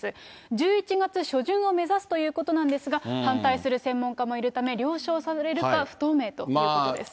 １１月初旬を目指すということなんですが、反対する専門家もいるため、了承されるか不透明ということです。